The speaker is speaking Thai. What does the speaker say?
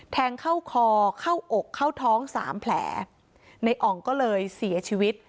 แทงเข้าคอเข้าอกเข้าท้องสามแผลในอ่องก็เลยเสียชีวิต